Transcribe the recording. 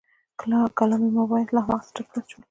کلامي مباحث لا هماغسې تت پاتې شول.